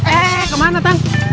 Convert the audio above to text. eh kemana tang